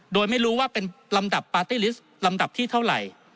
โดยไม่รู้ว่าเป็นลำดับปาร์ตี้ลิสต์ลำดับที่เท่าไหร่